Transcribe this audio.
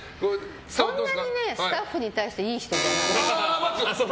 そんなにスタッフに対していい人じゃない！